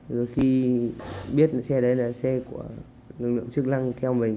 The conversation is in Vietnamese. đôi khi biết xe đấy là xe của lực lượng chức năng theo mình